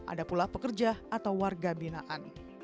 ada pula pekerja atau warga binaan